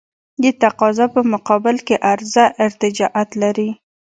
د تقاضا په مقابل کې عرضه ارتجاعیت لري.